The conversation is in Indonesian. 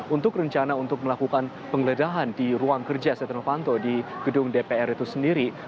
untuk rencana untuk melakukan penggeledahan di ruang kerja setia novanto di gedung dpr itu sendiri